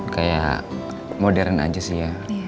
kayak modern aja sih ya